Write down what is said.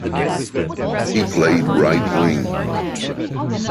He played right wing.